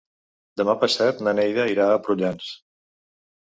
Demà passat na Neida irà a Prullans.